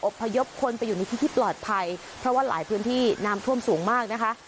พยพคนไปอยู่ในที่ที่ปลอดภัยเพราะว่าหลายพื้นที่น้ำท่วมสูงมากนะคะ